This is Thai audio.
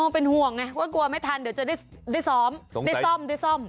อ๋อเป็นห่วงไงกลัวไม่ทันเดี๋ยวจะได้ซ้อมได้ซ่อม